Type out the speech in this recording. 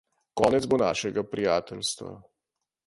Konec bo našega prijateljstva.